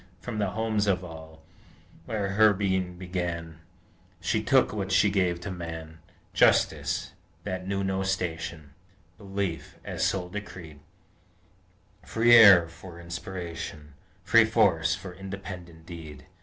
From the homes of all, where her being began, She took what she gave to Man; Justice, that knew no station, Belief, as soul decreed, Free air for aspiration, Free force for independent deed!